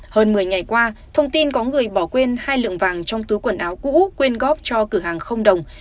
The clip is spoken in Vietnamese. hơn một mươi ngày qua thông tin có người bỏ quên hai lượng vàng trong túi quần áo cũ quyên góp cho cửa hàng không đồng